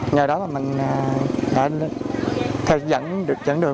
nhờ đó là mình đã được dẫn được